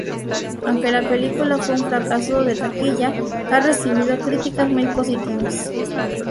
Aunque la película fue un fracaso de taquilla, ha recibido críticas muy positivas.